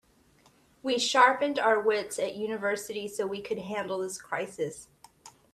We sharpened our wits at university so we could handle this crisis.